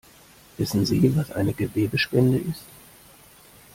Wissen Sie, was eine Gewebespende ist?